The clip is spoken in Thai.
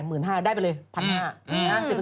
สวัสดีค่าข้าวใส่ไข่